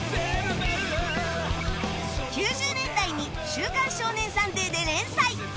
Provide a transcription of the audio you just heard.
９０年代に『週刊少年サンデー』で連載